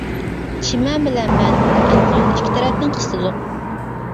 چىمەن بىلەن مەن، ئەلقەمنى ئىككى تەرەپتىن قىستىدۇق.